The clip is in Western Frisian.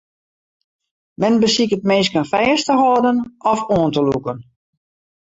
Men besiket minsken fêst te hâlden of oan te lûken.